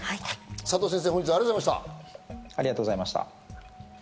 佐藤先生、本日はありがとうございました。